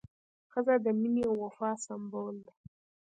ښځه د مینې او وفا سمبول ده.